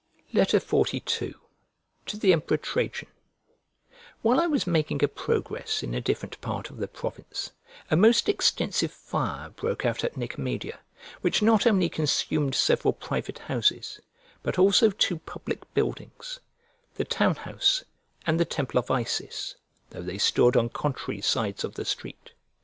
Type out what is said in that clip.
XLII To THE EMPEROR TRAJAN WHILE I was making a progress in a different part of the province, a most extensive fire broke out at Nicomedia, which not only consumed several private houses, but also two public buildings; the town house and the temple of Isis, though they stood on contrary sides of the street.